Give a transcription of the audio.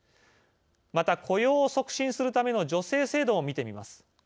また、雇用を促進するための助成制度を見てみます。